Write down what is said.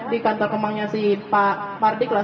di kantor kemangnya si pak partik lah